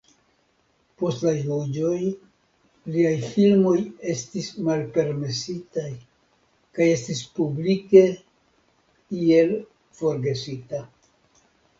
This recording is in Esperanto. Post la juĝoj, liaj filmoj estis malpermesitaj kaj estis publike iel forgesita.